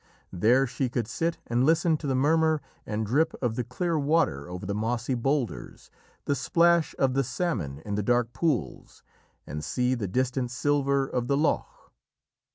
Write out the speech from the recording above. There she could sit and listen to the murmur and drip of the clear water over the mossy boulders, the splash of the salmon in the dark pools, and see the distant silver of the loch.